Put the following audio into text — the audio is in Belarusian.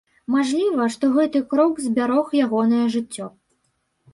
Мажліва, што гэты крок збярог ягонае жыццё.